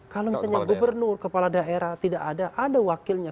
kalau misalnya gubernur kepala daerah tidak ada ada wakilnya